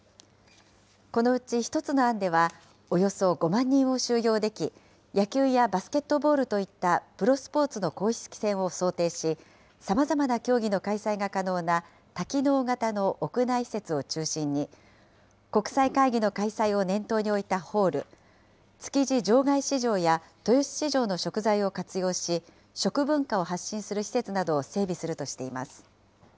このうち一つの案では、およそ５万人を収容でき、野球やバスケットボールといったプロスポーツの公式戦を想定し、さまざまな競技の開催が可能な多機能型の屋内施設を中心に、国際会議の開催を念頭に置いたホール、築地場外市場や豊洲市場の食材を活用し、食文化を発信する施設などを整備するとしています。